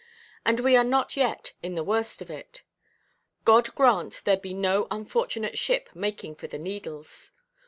And we are not yet in the worst of it. God grant there be no unfortunate ship making for the Needles.